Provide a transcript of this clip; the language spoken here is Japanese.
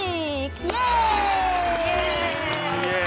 イエイ！